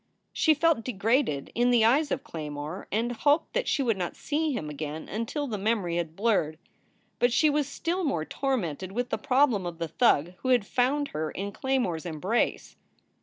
She felt degraded in the eyes of Claymore, and hoped that she would not see him again until the memory had blurred. But she was still more tormented with the problem of the thug who had found her in Claymore s embrace.